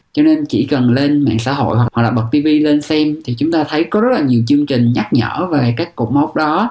cho nên chỉ cần lên mạng xã hội hoặc là bật tv lên xem thì chúng ta thấy có rất là nhiều chương trình nhắc nhở về các cục máu đó